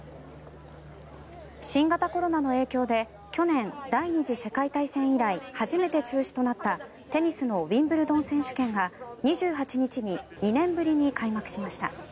新型コロナの影響で去年第２次世界大戦以来初めて中止となったテニスのウィンブルドン選手権が２８日に２年ぶりに開幕しました。